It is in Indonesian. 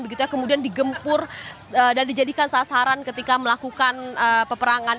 begitu kemudian digempur dan dijadikan sasaran ketika melakukan peperangan